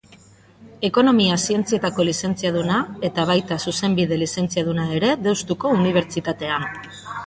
Ekonomia Zientzietako Lizentziaduna eta baita Zuzenbide Lizentziaduna ere Deustuko Unibertsitatean.